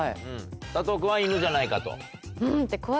佐藤君はイヌじゃないかと。